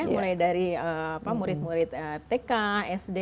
mulai dari murid murid tk sd